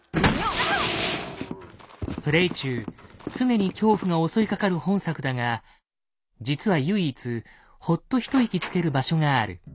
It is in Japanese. プレイ中常に恐怖が襲いかかる本作だが実は唯一ほっと一息つける場所がある。